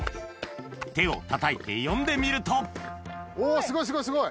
手をたたいて呼んでみるとおすごいすごいすごい。